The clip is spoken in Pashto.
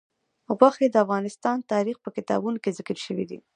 غوښې د افغان تاریخ په کتابونو کې ذکر شوي دي.